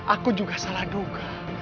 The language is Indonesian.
aku juga salah duga